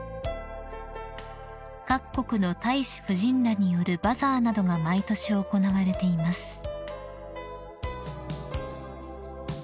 ［各国の大使夫人らによるバザーなどが毎年行われています］